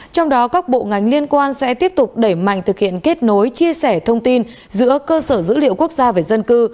trong đó các bộ ngành liên quan sẽ tiếp tục đẩy mạnh thực hiện kết nối chia sẻ thông tin giữa cơ sở dữ liệu quốc gia về dân cư